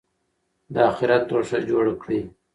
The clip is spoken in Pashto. د آخرت توښه جوړه کړئ.